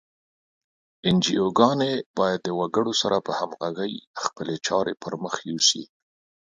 انجوګانې باید د وګړو سره په همغږۍ خپلې چارې پر مخ یوسي.